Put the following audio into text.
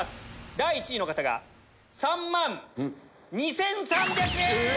第１位の方が３万２３００円！